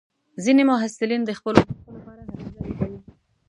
ځینې محصلین د خپلو موخو لپاره هلې ځلې کوي.